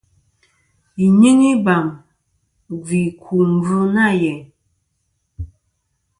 Yi nyɨŋ ibam i gvɨ ku gvì nɨ̀ nyeyn.